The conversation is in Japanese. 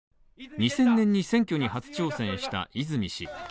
２０００年に選挙に初挑戦した泉氏。